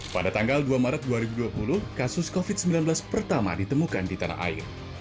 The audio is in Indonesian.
pada tanggal dua maret dua ribu dua puluh kasus covid sembilan belas pertama ditemukan di tanah air